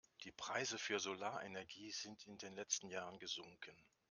Die Preise für Solarenergie sind in den letzten Jahren gesunken.